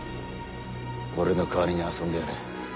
俺の代わりに遊んでやれ。